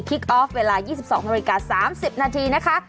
ออฟเวลา๒๒นาฬิกา๓๐นาทีนะคะ